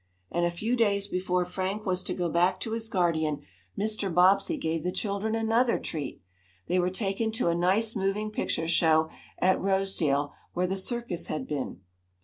And, a few days before Frank was to go back to his guardian Mr. Bobbsey gave the children another treat. They were taken to a nice moving picture show at Rosedale where the circus had been.